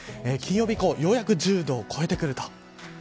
金曜日以降ようやく１０度を超えてきます。